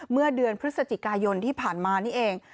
เมื่อเดือนพฤศจิกายนที่ผ่านมานี่เอง